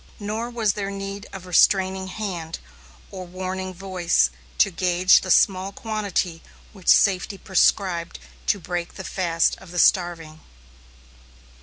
Nor was there need of restraining hand, or warning voice to gauge the small quantity which safety prescribed to break the fast of the starving.